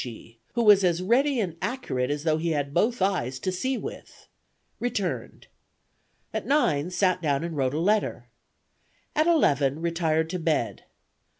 G , who was as ready and accurate as though he had both eyes to see with. Returned. "At nine, sat down and wrote a letter. "At eleven, retired to bed.